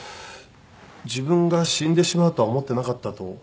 自分が死んでしまうとは思ってなかったと。